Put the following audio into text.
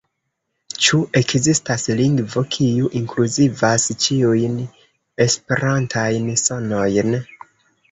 Ĉu ekzistas lingvo, kiu inkluzivas ĉiujn esperantajn sonojn?